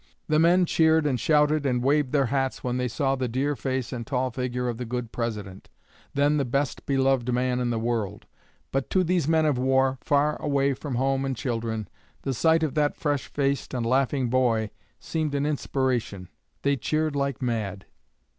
The men cheered and shouted and waved their hats when they saw the dear face and tall figure of the good President, then the best beloved man in the world; but to these men of war, far away from home and children, the sight of that fresh faced and laughing boy seemed an inspiration. They cheered like mad."